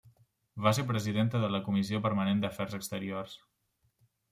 Va ser presidenta de la comissió permanent d'afers exteriors.